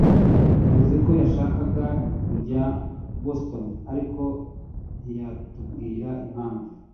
yavuze ko yashakaga kujya i Boston, ariko ntiyatubwira impamvu.